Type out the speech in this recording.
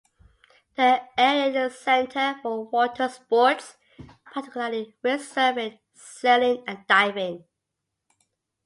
The area is a centre for watersports, particularly wind surfing, sailing and diving.